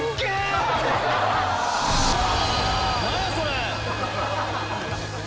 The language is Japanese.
何や⁉それ！